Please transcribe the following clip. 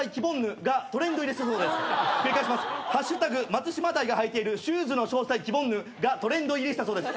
「＃松島大が履いているシューズの詳細きぼんぬ」がトレンド入りしたそうです。